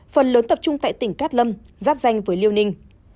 phần lớn tập trung tại tỉnh cát lâm giáp danh với liêu ninh